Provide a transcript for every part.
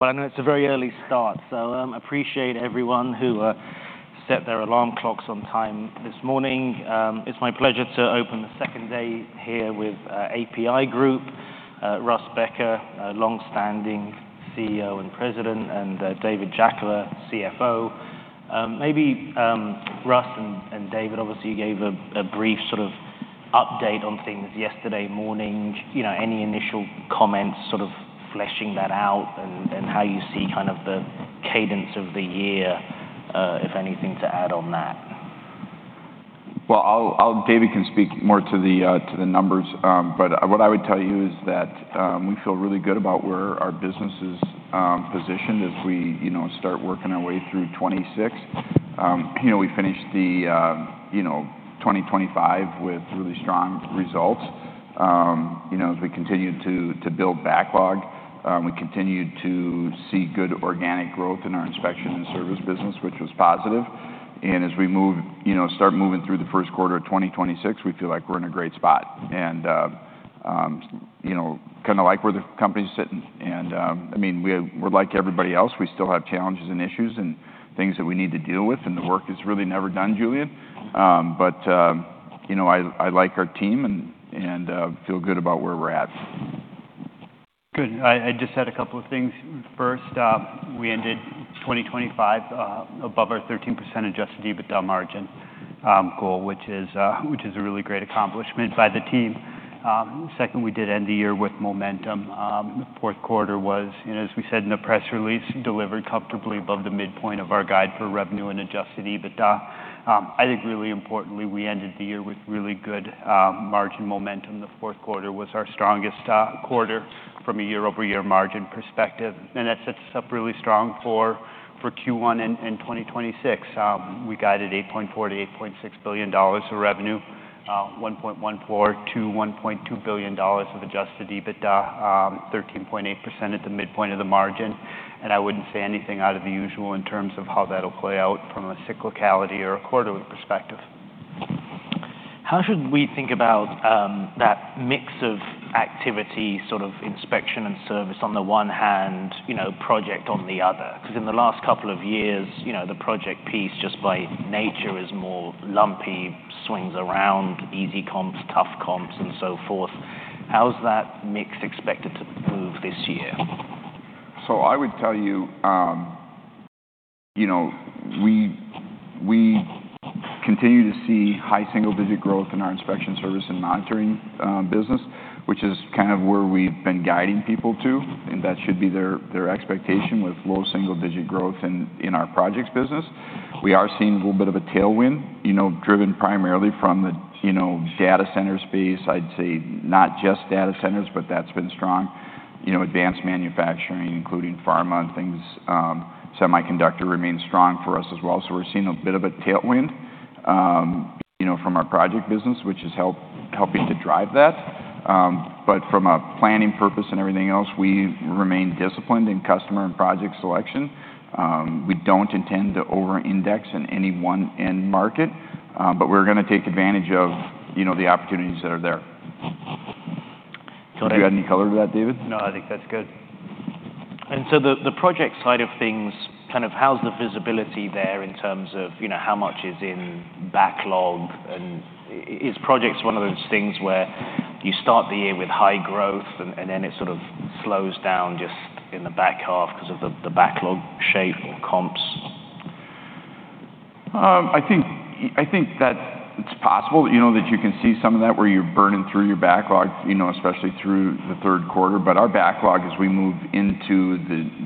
Well, I know it's a very early start, so, appreciate everyone who set their alarm clocks on time this morning. It's my pleasure to open the second day here with APi Group. Russ Becker, a long-standing CEO and President, and David Jackola, CFO. Maybe Russ and David, obviously, you gave a brief sort of update on things yesterday morning. You know, any initial comments sort of fleshing that out and how you see kind of the cadence of the year, if anything, to add on that? Well, I'll-- David can speak more to the, to the numbers. But, what I would tell you is that, we feel really good about where our business is, positioned as we, you know, start working our way through 2026. You know, we finished the, you know, 2025 with really strong results. You know, as we continued to build backlog, we continued to see good organic growth in our inspection and service business, which was positive. And as we move, you know, start moving through the first quarter of 2026, we feel like we're in a great spot. And, you know, kinda like where the company's sitting. And, I mean, we're like everybody else. We still have challenges and issues and things that we need to deal with, and the work is really never done, Julian. But you know, I like our team and feel good about where we're at. Good. I just had a couple of things. First, we ended 2025 above our 13% Adjusted EBITDA margin goal, which is a really great accomplishment by the team. Second, we did end the year with momentum. The fourth quarter was, you know, as we said in the press release, delivered comfortably above the midpoint of our guide for revenue and Adjusted EBITDA. I think really importantly, we ended the year with really good margin momentum. The fourth quarter was our strongest quarter from a year-over-year margin perspective, and that sets us up really strong for Q1 in 2026. We guided $8.4 billion-$8.6 billion of revenue, $1.14 billion-$1.2 billion of Adjusted EBITDA, 13.8% at the midpoint of the margin. And I wouldn't say anything out of the usual in terms of how that'll play out from a cyclicality or a quarterly perspective. How should we think about that mix of activity, sort of inspection and service on the one hand, you know, project on the other? 'Cause in the last couple of years, you know, the project piece, just by nature, is more lumpy, swings around, easy comps, tough comps, and so forth. How's that mix expected to move this year? So I would tell you, you know, we continue to see high single-digit growth in our inspection service and monitoring business, which is kind of where we've been guiding people to, and that should be their expectation with low single-digit growth in our projects business. We are seeing a little bit of a tailwind, you know, driven primarily from the, you know, data center space. I'd say not just data centers, but that's been strong. You know, advanced manufacturing, including pharma and things, semiconductor remains strong for us as well. So we're seeing a bit of a tailwind, you know, from our project business, which has helping to drive that. But from a planning purpose and everything else, we've remained disciplined in customer and project selection. We don't intend to over-index in any one end market, but we're gonna take advantage of, you know, the opportunities that are there. So- Do you add any color to that, David? No, I think that's good. And so the project side of things, kind of how's the visibility there in terms of, you know, how much is in backlog? And is projects one of those things where you start the year with high growth and then it sort of slows down just in the back half 'cause of the backlog shape or comps? I think that it's possible, you know, that you can see some of that, where you're burning through your backlog, you know, especially through the third quarter. But our backlog, as we move into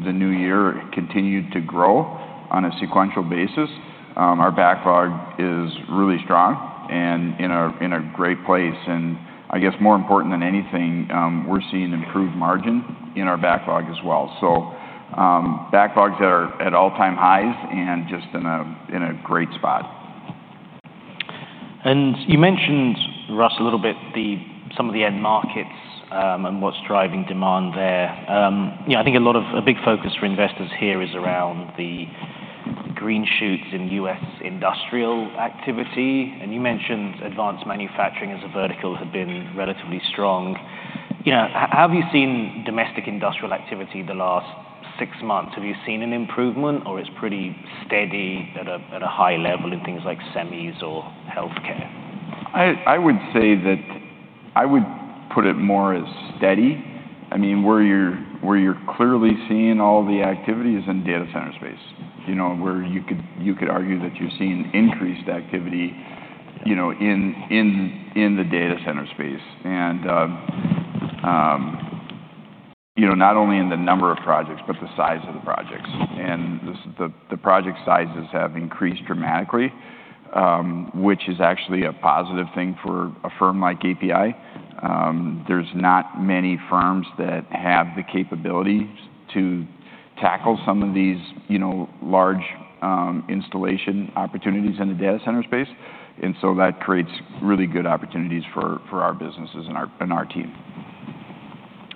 the new year, continued to grow on a sequential basis. Our backlog is really strong and in a great place. And I guess more important than anything, we're seeing improved margin in our backlog as well. Backlogs are at all-time highs and just in a great spot. You mentioned, Russ, a little bit, some of the end markets, and what's driving demand there. You know, I think a lot of... A big focus for investors here is around the green shoots in U.S. industrial activity, and you mentioned advanced manufacturing as a vertical had been relatively strong. You know, have you seen domestic industrial activity the last six months? Have you seen an improvement, or it's pretty steady at a high level in things like semis or healthcare? I would say that I would put it more as steady. I mean, where you're clearly seeing all the activity is in data center space. You know, where you could argue that you're seeing increased activity, you know, in the data center space. And you know, not only in the number of projects, but the size of the projects. And the project sizes have increased dramatically, which is actually a positive thing for a firm like APi. There's not many firms that have the capability to tackle some of these, you know, large installation opportunities in the data center space, and so that creates really good opportunities for our businesses and our team.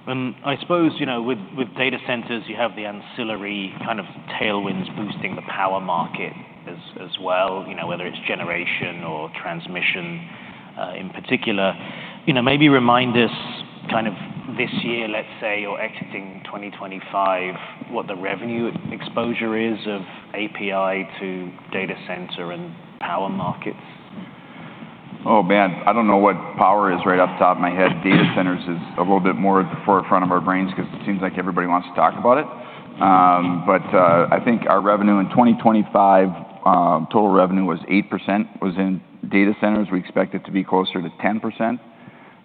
I suppose, you know, with data centers, you have the ancillary kind of tailwinds boosting the power market as well, you know, whether it's generation or transmission... In particular, you know, maybe remind us kind of this year, let's say, you're exiting 2025, what the revenue exposure is of APi to data center and power markets? Oh, man, I don't know what power is right off the top of my head. Data centers is a little bit more at the forefront of our brains 'cause it seems like everybody wants to talk about it. But, I think our revenue in 2025, total revenue was 8%, was in data centers. We expect it to be closer to 10%.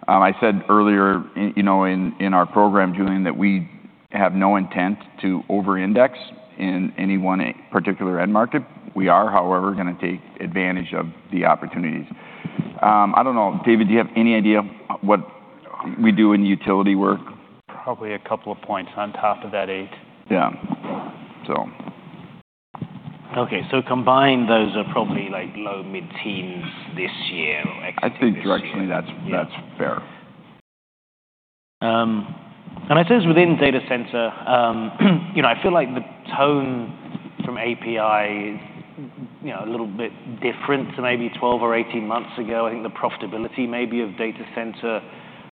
I said earlier in, you know, in, in our program, Julian, that we have no intent to over-index in any one particular end market. We are, however, gonna take advantage of the opportunities. I don't know. David, do you have any idea what we do in utility work? Probably a couple of points on top of that 8. Yeah. So... Okay. So combined, those are probably, like, low-mid-teens this year or exiting this year. I think directionally, that's- Yeah. That's fair. And I suppose within data center, you know, I feel like the tone from APi is, you know, a little bit different to maybe 12 or 18 months ago. I think the profitability maybe of data center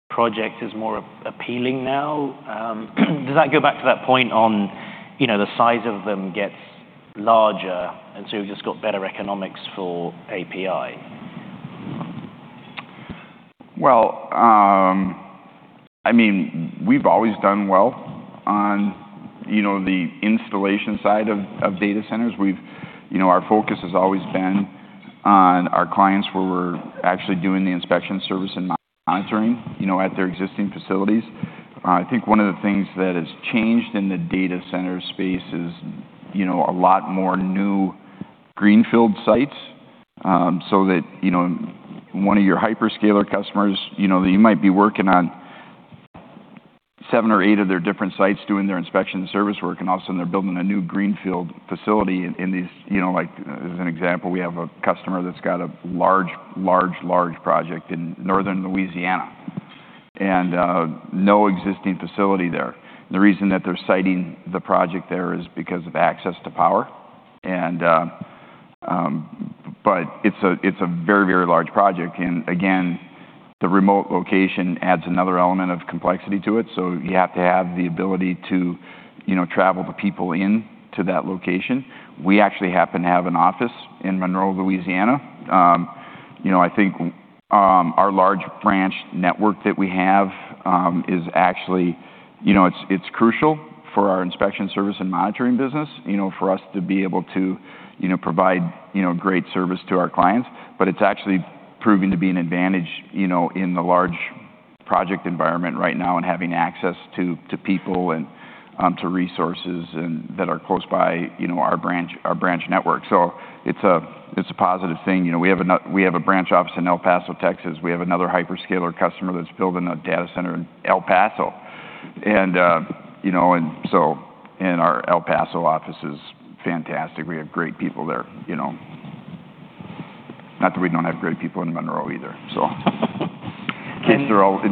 project is more appealing now. Does that go back to that point on, you know, the size of them gets larger, and so you've just got better economics for APi? Well, I mean, we've always done well on, you know, the installation side of, of data centers. We've, you know, our focus has always been on our clients, where we're actually doing the inspection service and monitoring, you know, at their existing facilities. I think one of the things that has changed in the data center space is, you know, a lot more new Greenfield sites, so that, you know, one of your hyperscaler customers, you know, that you might be working on 7 or 8 of their different sites, doing their inspection service work, and all of a sudden they're building a new Greenfield facility in, in these... You know, like, as an example, we have a customer that's got a large, large, large project in northern Louisiana, and, no existing facility there. The reason that they're siting the project there is because of access to power, and, it's a very, very large project, and again, the remote location adds another element of complexity to it, so you have to have the ability to, you know, travel the people into that location. We actually happen to have an office in Monroe, Louisiana. You know, I think our large branch network that we have is actually, you know, it's crucial for our inspection service and monitoring business, you know, for us to be able to, you know, provide, you know, great service to our clients. It's actually proving to be an advantage, you know, in the large project environment right now and having access to, to people and, you know, to resources that are close by, you know, our branch, our branch network. So it's a positive thing. You know, we have a branch office in El Paso, Texas. We have another hyperscaler customer that's building a data center in El Paso, and you know, and so and our El Paso office is fantastic. We have great people there, you know. Not that we don't have great people in Monroe either. In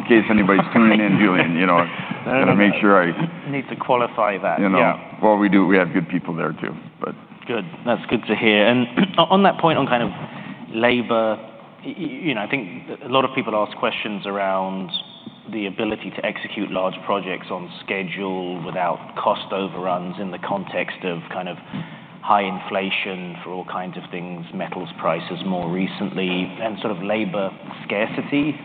case anybody's tuning in, Julian, you know. No, no, no. I gotta make sure I- Need to qualify that. You know. Yeah. Well, we do, we have good people there, too, but- Good. That's good to hear. And on that point, on kind of labor, you know, I think a lot of people ask questions around the ability to execute large projects on schedule without cost overruns in the context of kind of high inflation for all kinds of things, metals prices more recently, and sort of labor scarcity.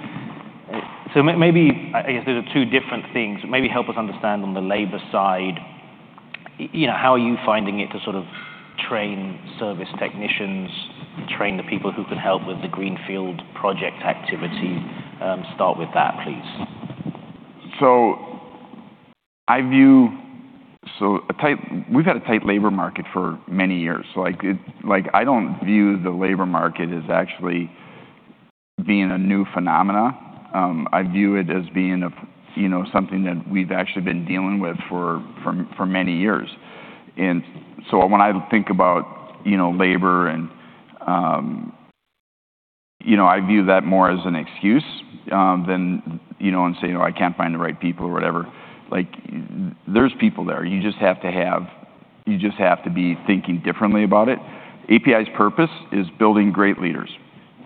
So maybe, I guess they're two different things. Maybe help us understand on the labor side, you know, how are you finding it to sort of train service technicians, train the people who can help with the Greenfield project activity? Start with that, please. We've had a tight labor market for many years, so like, I don't view the labor market as actually being a new phenomenon. I view it as being a you know, something that we've actually been dealing with for many years. And so when I think about, you know, labor, and, you know, I view that more as an excuse than, you know, and say, "Oh, I can't find the right people," or whatever. Like, there's people there. You just have to have-- You just have to be thinking differently about it. APi's purpose is building great leaders,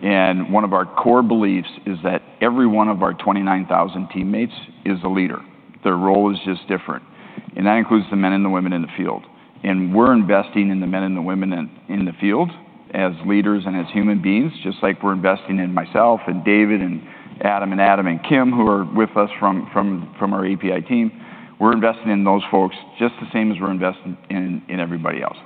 and one of our core beliefs is that every one of our 29,000 teammates is a leader. Their role is just different, and that includes the men and the women in the field, and we're investing in the men and the women in the field as leaders and as human beings, just like we're investing in myself and David and Adam and Kim, who are with us from our APi team. We're investing in those folks just the same as we're investing in everybody else.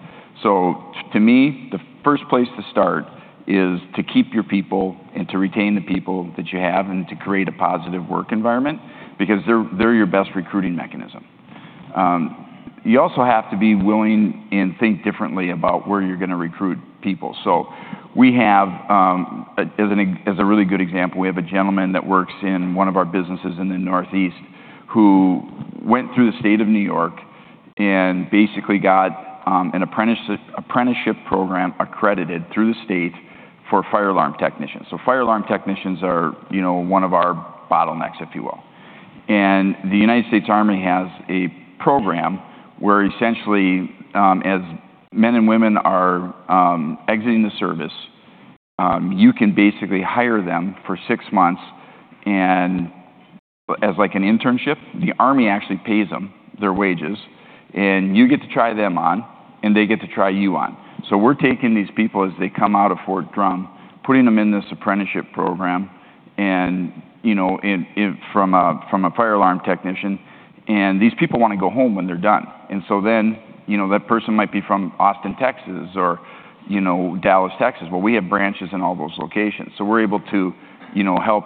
So to me, the first place to start is to keep your people and to retain the people that you have and to create a positive work environment because they're your best recruiting mechanism. You also have to be willing and think differently about where you're gonna recruit people. So we have, as a really good example, we have a gentleman that works in one of our businesses in the Northeast, who went through the state of New York and basically got an apprenticeship program accredited through the state for fire alarm technicians. So fire alarm technicians are, you know, one of our bottlenecks, if you will... And the United States Army has a program where essentially, as men and women are exiting the service, you can basically hire them for six months, and as like an internship, the Army actually pays them their wages, and you get to try them on, and they get to try you on. So we're taking these people as they come out of Fort Drum, putting them in this apprenticeship program, and you know, from a fire alarm technician, and these people wanna go home when they're done. So then, you know, that person might be from Austin, Texas, or, you know, Dallas, Texas. Well, we have branches in all those locations. So we're able to, you know, help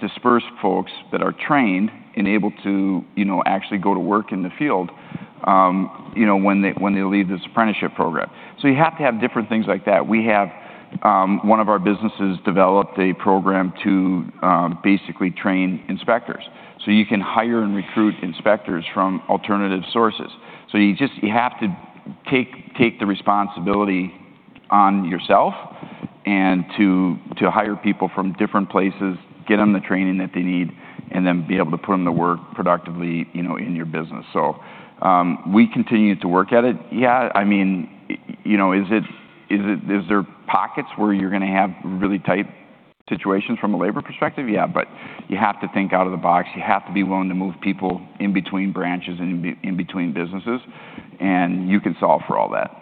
disperse folks that are trained and able to, you know, actually go to work in the field, you know, when they leave this apprenticeship program. So you have to have different things like that. We have one of our businesses developed a program to basically train inspectors. So you can hire and recruit inspectors from alternative sources. So you have to take the responsibility on yourself, and to hire people from different places, get them the training that they need, and then be able to put them to work productively, you know, in your business. So, we continue to work at it. Yeah, I mean, you know, is there pockets where you're gonna have really tight situations from a labor perspective? Yeah, but you have to think out of the box. You have to be willing to move people in between branches and in between businesses, and you can solve for all that.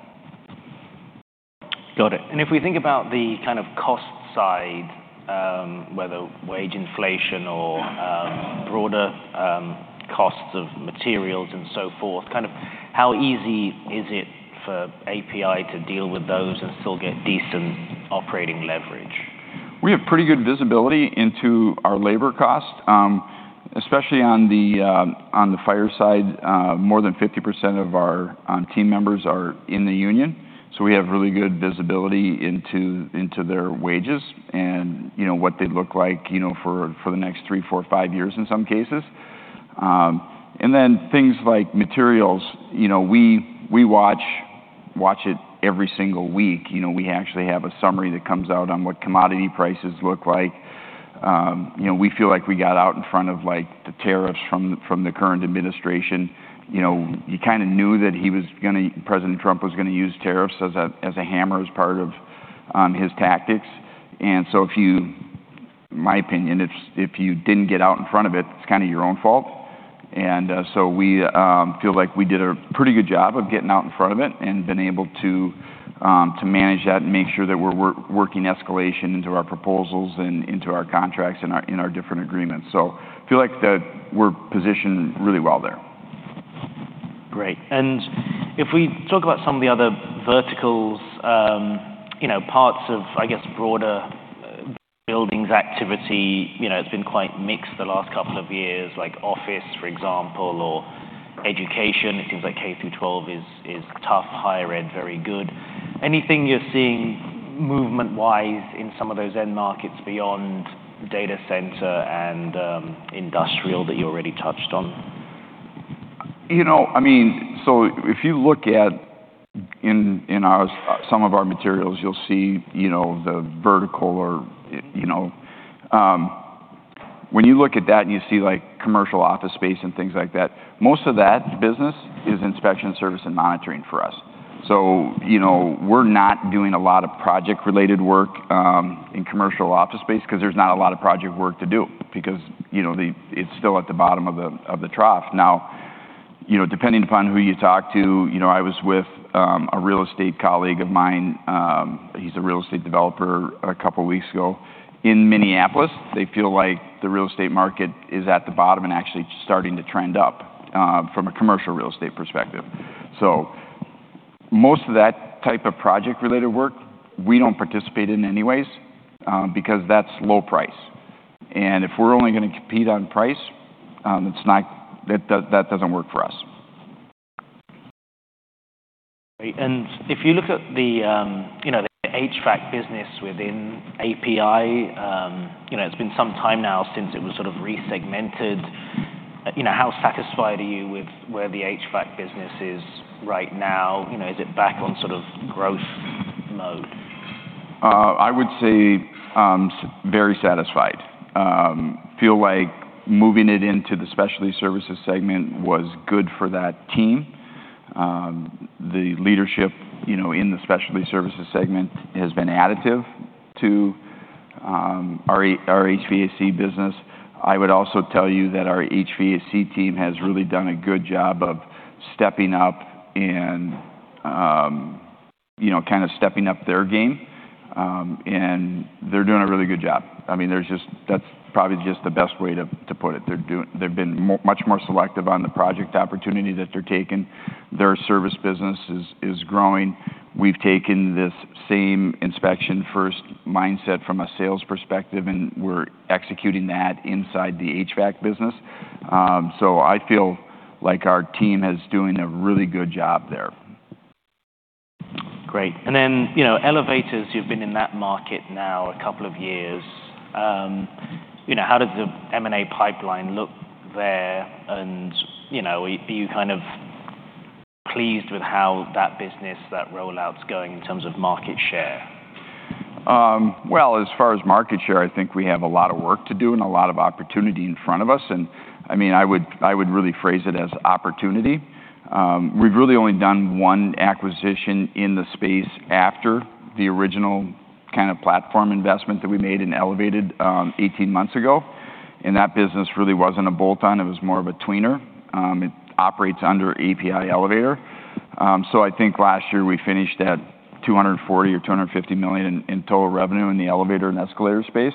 Got it. And if we think about the kind of cost side, whether wage inflation or, broader, costs of materials and so forth, kind of how easy is it for APi to deal with those and still get decent operating leverage? We have pretty good visibility into our labor cost, especially on the fire side. More than 50% of our team members are in the union, so we have really good visibility into their wages and, you know, what they'd look like, you know, for the next three, four, or five years in some cases. And then things like materials, you know, we watch it every single week. You know, we actually have a summary that comes out on what commodity prices look like. You know, we feel like we got out in front of, like, the tariffs from the current administration. You know, you kinda knew that he was gonna- President Trump was gonna use tariffs as a hammer, as part of his tactics. And so if you... My opinion, if you didn't get out in front of it, it's kinda your own fault. So we feel like we did a pretty good job of getting out in front of it and been able to manage that and make sure that we're working escalation into our proposals and into our contracts, in our different agreements. So I feel like that we're positioned really well there. Great. And if we talk about some of the other verticals, you know, parts of, I guess, broader buildings activity, you know, it's been quite mixed the last couple of years, like office, for example, or education. It seems like K-12 is tough. Higher ed, very good. Anything you're seeing movement-wise in some of those end markets beyond data center and industrial that you already touched on? You know, I mean, so if you look at, in, in our, some of our materials, you'll see, you know, the vertical or, you know, when you look at that and you see, like, commercial office space and things like that, most of that business is inspection, service, and monitoring for us. So, you know, we're not doing a lot of project-related work, in commercial office space 'cause there's not a lot of project work to do because, you know, it's still at the bottom of the, of the trough. Now, you know, depending upon who you talk to, you know, I was with, a real estate colleague of mine, he's a real estate developer, a couple of weeks ago. In Minneapolis, they feel like the real estate market is at the bottom and actually starting to trend up, from a commercial real estate perspective. So most of that type of project-related work, we don't participate in anyways, because that's low price. And if we're only gonna compete on price, it's not... That doesn't work for us. If you look at the, you know, the HVAC business within APi, you know, it's been some time now since it was sort of resegmented. You know, how satisfied are you with where the HVAC business is right now? You know, is it back on sort of growth mode? I would say very satisfied. I feel like moving it into the Specialty Services segment was good for that team. The leadership, you know, in the Specialty Services segment has been additive to our HVAC business. I would also tell you that our HVAC team has really done a good job of stepping up and, you know, kind of stepping up their game. And they're doing a really good job. I mean, there's just that. That's probably just the best way to put it. They've been much more selective on the project opportunity that they're taking. Their service business is growing. We've taken this same inspection first mindset from a sales perspective, and we're executing that inside the HVAC business. So I feel like our team is doing a really good job there. Great. And then, you know, elevators, you've been in that market now a couple of years. You know, how does the M&A pipeline look there? And, you know, are you kind of pleased with how that business, that rollout's going in terms of market share? Well, as far as market share, I think we have a lot of work to do and a lot of opportunity in front of us, and I mean, I would really phrase it as opportunity. We've really only done one acquisition in the space after the original kind of platform investment that we made in Elevated, eighteen months ago, and that business really wasn't a bolt-on. It was more of a tweener. It operates under APi Elevator. So I think last year we finished at $240 million or $250 million in total revenue in the elevator and escalator space,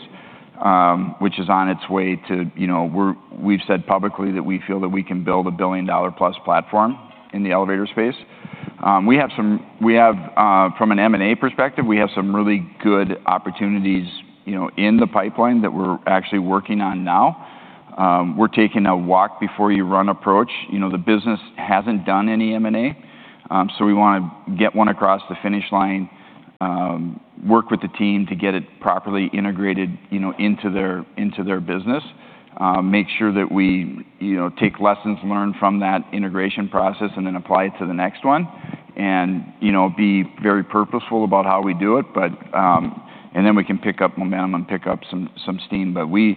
which is on its way to. You know, we're, we've said publicly that we feel that we can build a billion-dollar-plus platform in the elevator space. We have, from an M&A perspective, some really good opportunities, you know, in the pipeline that we're actually working on now. We're taking a walk-before-you-run approach. You know, the business hasn't done any M&A, so we wanna get one across the finish line, work with the team to get it properly integrated, you know, into their business. Make sure that we, you know, take lessons learned from that integration process and then apply it to the next one, and, you know, be very purposeful about how we do it, but... Then we can pick up momentum and pick up some steam. But we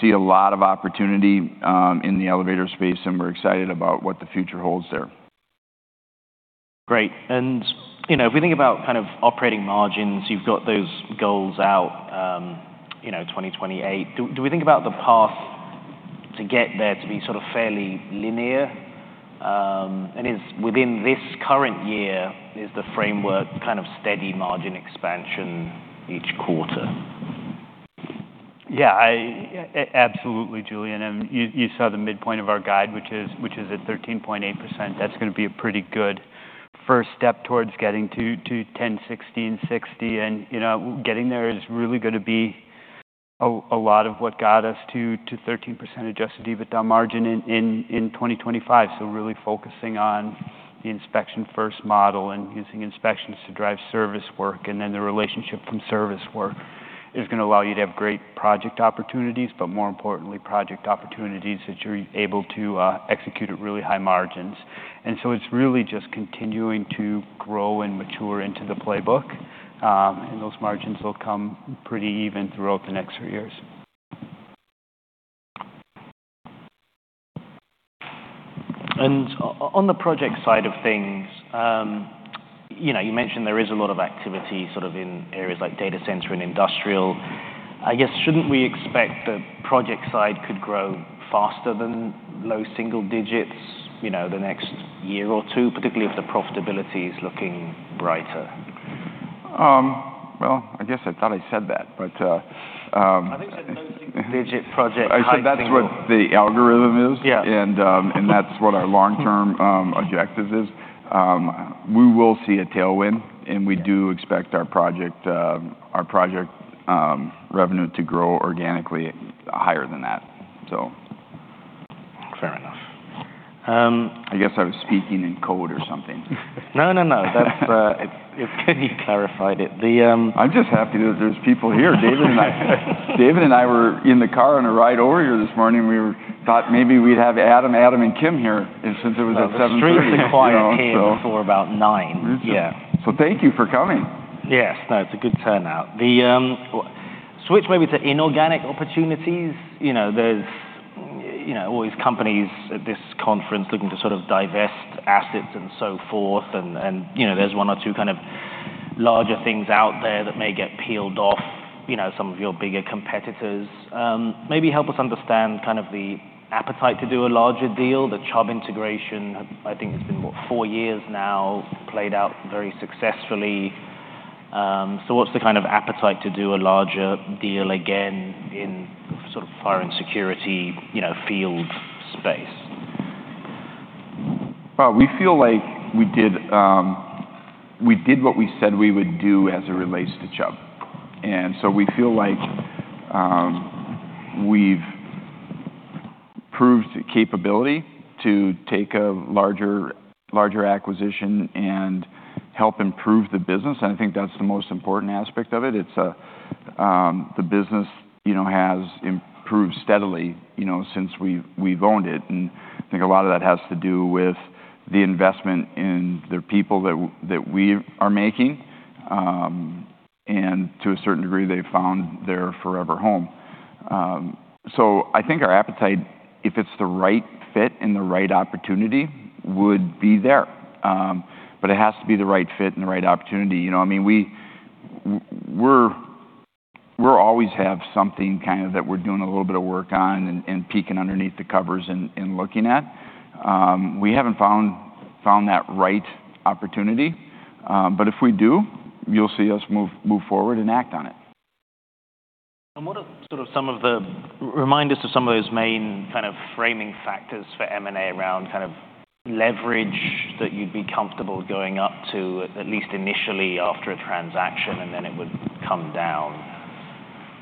see a lot of opportunity in the elevator space, and we're excited about what the future holds there. Great. And, you know, if we think about kind of operating margins, you've got those goals out, you know, 2028. Do we think about the path to get there to be sort of fairly linear? And, within this current year, is the framework kind of steady margin expansion each quarter? Yeah, absolutely, Julian. You saw the midpoint of our guide, which is at 13.8%. That's gonna be a pretty good first step towards getting to 10/16/60+. You know, getting there is really gonna be a lot of what got us to 13% adjusted EBITDA margin in 2025. So really focusing on the inspection-first model and using inspections to drive service work, and then the relationship from service work is gonna allow you to have great project opportunities, but more importantly, project opportunities that you're able to execute at really high margins. And so it's really just continuing to grow and mature into the playbook, and those margins will come pretty even throughout the next few years. On the project side of things, you know, you mentioned there is a lot of activity sort of in areas like data center and industrial. I guess, shouldn't we expect the project side could grow faster than low single digits, you know, the next year or two, particularly if the profitability is looking brighter? Well, I guess I thought I said that, but, I think you said low single-digit project high- I said that's what the algorithm is. Yeah. And that's what our long-term objectives is. We will see a tailwind, and we do expect our project revenue to grow organically higher than that, so. Fair enough. I guess I was speaking in code or something. No, no, no. That's, You clarified it. The, I'm just happy that there's people here. David and I were in the car on a ride over here this morning. We thought maybe we'd have Adam and Kim here, and since it was at 7:30 A.M., you know, so- The streets are quiet here before about nine. Yeah. Thank you for coming. Yes. No, it's a good turnout. The switch maybe to inorganic opportunities. You know, there's, you know, all these companies at this conference looking to sort of divest assets and so forth, and, and, you know, there's one or two kind of larger things out there that may get peeled off, you know, some of your bigger competitors. Maybe help us understand kind of the appetite to do a larger deal. The Chubb integration, I think, has been, what? Four years now, played out very successfully. So what's the kind of appetite to do a larger deal again in sort of fire and security, you know, field space? Well, we feel like we did, we did what we said we would do as it relates to Chubb, and so we feel like, we've proved the capability to take a larger, larger acquisition and help improve the business, and I think that's the most important aspect of it. It's the business, you know, has improved steadily, you know, since we've owned it, and I think a lot of that has to do with the investment in the people that we are making. And to a certain degree, they've found their forever home. So I think our appetite, if it's the right fit and the right opportunity, would be there. But it has to be the right fit and the right opportunity. You know, I mean, we're always have something kind of that we're doing a little bit of work on and peeking underneath the covers and looking at. We haven't found that right opportunity, but if we do, you'll see us move forward and act on it. What are sort of some of the... Remind us of some of those main kind of framing factors for M&A around kind of leverage that you'd be comfortable going up to, at least initially after a transaction, and then it would come down?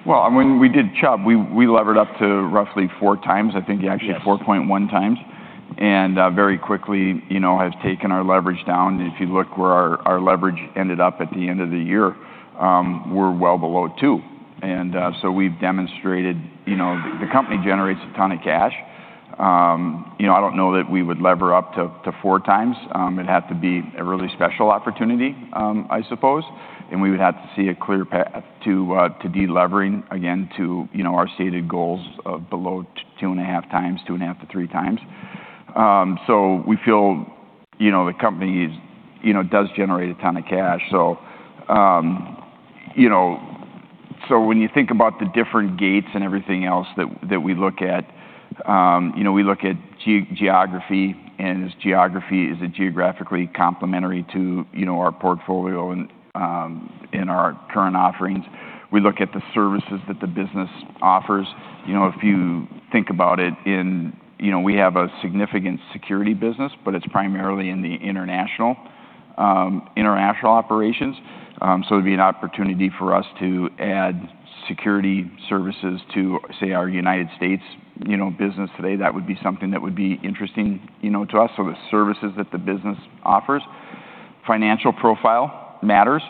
Well, I mean, when we did Chubb, we levered up to roughly four times. I think actually- Yes... 4.1x, and very quickly, you know, have taken our leverage down. If you look where our leverage ended up at the end of the year, we're well below 2x. And so we've demonstrated, you know, the company generates a ton of cash. You know, I don't know that we would lever up to 4x. It'd have to be a really special opportunity, I suppose, and we would have to see a clear path to delevering again, to, you know, our stated goals of below 2.5x, 2.5x-3x. So we feel, you know, the company is, you know, does generate a ton of cash. So, you know, so when you think about the different gates and everything else that we look at, you know, we look at geography, and is geography, is it geographically complementary to, you know, our portfolio and, in our current offerings? We look at the services that the business offers. You know, if you think about it in... You know, we have a significant security business, but it's primarily in the international international operations. So it'd be an opportunity for us to add security services to, say, our United States, you know, business today. That would be something that would be interesting, you know, to us. So the services that the business offers. Financial profile matters.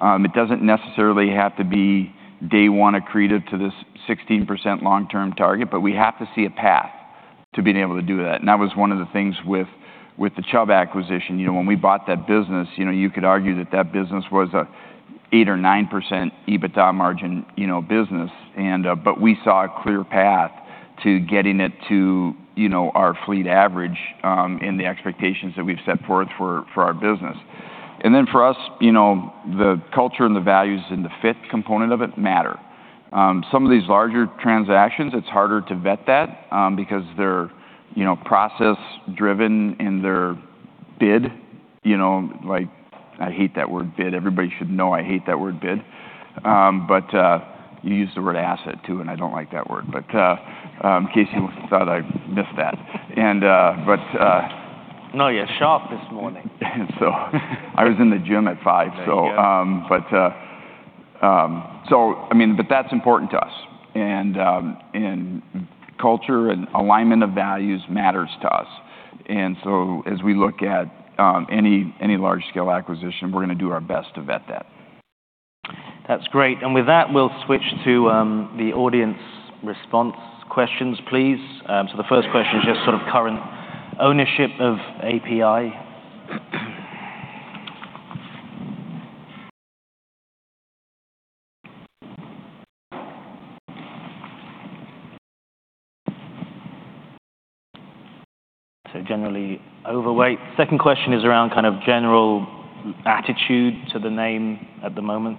It doesn't necessarily have to be day one accretive to this 16% long-term target, but we have to see a path to being able to do that. And that was one of the things with, with the Chubb acquisition. You know, when we bought that business, you know, you could argue that that business was a 8%-9% EBITDA margin, you know, business. But we saw a clear path to getting it to, you know, our fleet average, in the expectations that we've set forth for, for our business. And then for us, you know, the culture and the values and the fifth component of it matter. Some of these larger transactions, it's harder to vet that, because they're, you know, process-driven in their bid. You know, like, I hate that word bid. Everybody should know I hate that word bid. But you use the word asset, too, and I don't like that word. But, in case you thought I missed that. No, you're sharp this morning. And so I was in the gym at five, so- There you go. I mean, but that's important to us. Culture and alignment of values matters to us. So as we look at any large-scale acquisition, we're gonna do our best to vet that. That's great. And with that, we'll switch to the audience response questions, please. So the first question is just sort of current ownership of APi. So generally overweight. Second question is around kind of general attitude to the name at the moment.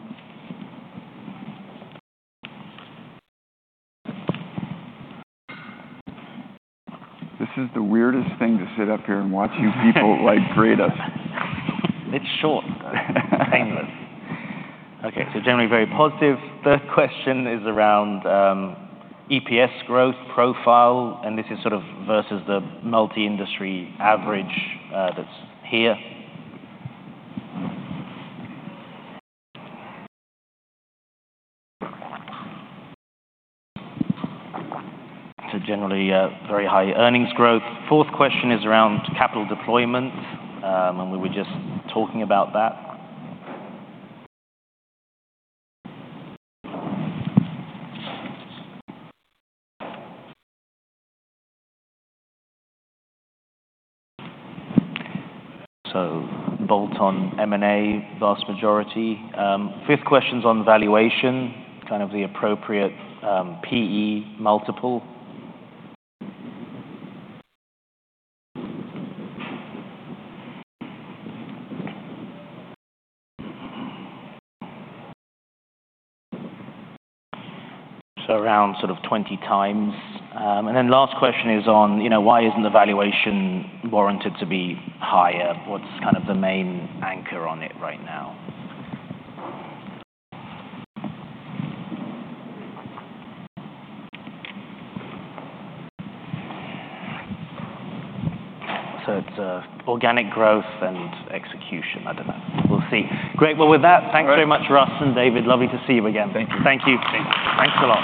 This is the weirdest thing, to sit up here and watch you people, like, grade us. It's short, though. Painless. Okay, so generally very positive. Third question is around EPS growth profile, and this is sort of versus the multi-industry average that's here. So generally very high earnings growth. Fourth question is around capital deployment, and we were just talking about that. So bolt-on M&A, vast majority. Fifth question's on valuation, kind of the appropriate PE multiple. So around sort of 20 times. And then last question is on, you know, why isn't the valuation warranted to be higher? What's kind of the main anchor on it right now? So it's organic growth and execution. I don't know. We'll see. Great. Well, with that- All right. Thanks very much, Russ and David. Lovely to see you again. Thank you. Thank you. Thank you. Thanks a lot.